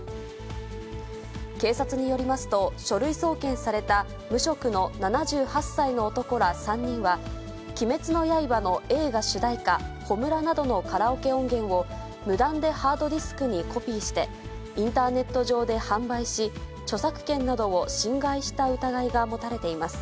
警察によりますと、書類送検された無職の７８歳の男ら３人は、鬼滅の刃の映画主題歌、炎などのカラオケ音源を無断でハードディスクにコピーして、インターネット上で販売し、著作権などを侵害した疑いが持たれています。